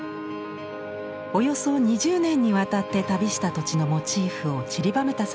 およそ２０年にわたって旅した土地のモチーフをちりばめた作品です。